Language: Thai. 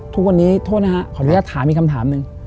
ทุกวันนี้โทษนะฮะขออนุญาตถามอีกคำถามหนึ่ง